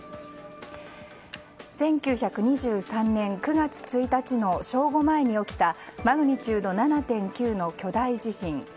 １９２３年９月１日の正午前に起きたマグニチュード７．３の巨大地震。